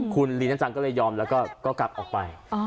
คุณลีน่าจังก็เลยยอมแล้วก็กลับออกไป